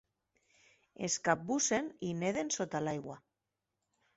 Es capbussen i neden sota l'aigua.